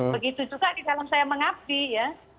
begitu juga di dalam saya mengabdi ya